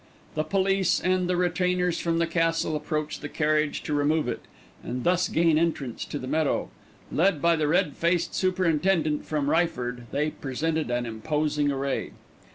The police and the retainers from the Castle approached the carriage to remove it and thus gain entrance to the meadow. Led by the red faced superintendent from Ryford, they presented an imposing array.